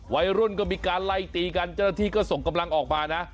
วัยรุ่นก็มีการไล่ตีกันเจ้าหน้าที่ก็ส่งกำลังออกมานะ